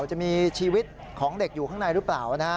จะมีชีวิตของเด็กอยู่ข้างในหรือเปล่า